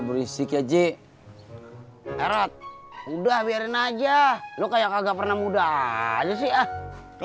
berisik aja udah biarin aja lo kayak nggak pernah muda aja sih ah kalau masih berisik aja ya